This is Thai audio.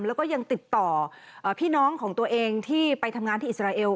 แล้วก็ยังติดต่อพี่น้องของตัวเองที่ไปทำงานที่อิสราเอล